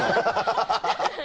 ハハハ